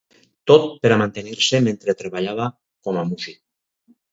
Tot per a mantenir-se mentre treballava com a músic.